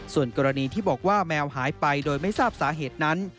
ส่วนกรณีที่บอกว่าแมวหายไปโดยไม่ทราบสาเหตุนั้น